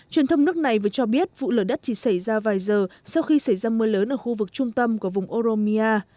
truyền thông nước này vừa cho biết vụ lở đất chỉ xảy ra vài giờ sau khi xảy ra mưa lớn ở khu vực trung tâm của vùng oromia